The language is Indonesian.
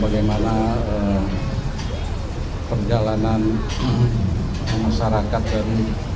dapat berjalan lancar aman